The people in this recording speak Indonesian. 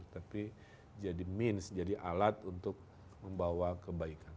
tapi jadi means jadi alat untuk membawa kebaikan